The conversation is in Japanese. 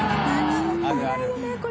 もったいないよね